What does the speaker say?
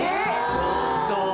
ちょっと。